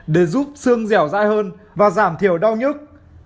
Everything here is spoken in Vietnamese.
để giúp xương dẻo dai hơn và giảm thiểu đau nhức